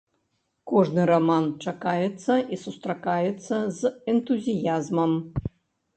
Кожны раман чакаецца і сустракаецца з энтузіязмам.